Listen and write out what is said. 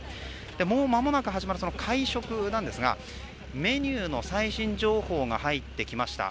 もうまもなく始まる会食ですがメニューの最新情報が入ってきました。